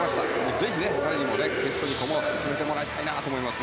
ぜひ彼にも決勝に駒を進めてもらいたいなと思います。